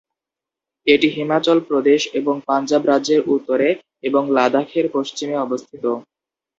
এটি হিমাচল প্রদেশ এবং পাঞ্জাব রাজ্যের উত্তরে এবং লাদাখের পশ্চিমে অবস্থিত।